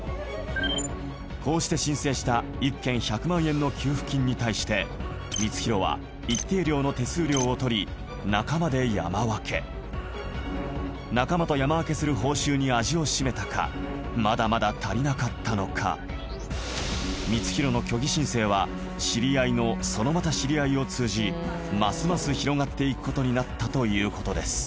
こうして申請した１件１００万円の給付金に対して光弘は一定量の手数料を取り仲間で山分け仲間と山分けする報酬に味をしめたかまだまだ足りなかったのか光弘の虚偽申請は知り合いのそのまた知り合いを通じますます広がって行くことになったということです